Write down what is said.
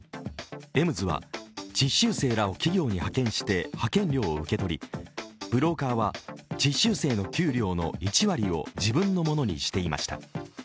エムズは実習生らを企業に派遣して派遣料を受け取りブローカーは実習生の給料の１割を自分のものにしていました。